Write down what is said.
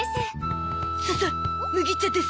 ささ麦茶です。